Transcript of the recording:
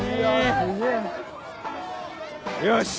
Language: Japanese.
よし！